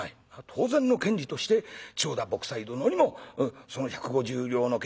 当然の権利として千代田卜斎殿にもその１５０両の」。